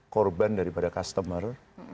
korban daripada customer